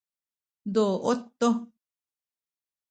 duut tu